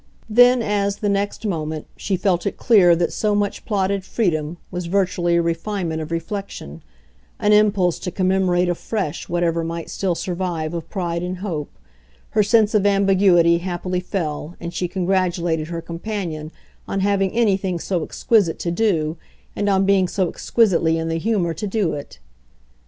Then as, the next moment, she felt it clear that so much plotted freedom was virtually a refinement of reflection, an impulse to commemorate afresh whatever might still survive of pride and hope, her sense of ambiguity happily fell and she congratulated her companion on having anything so exquisite to do and on being so exquisitely in the humour to do it.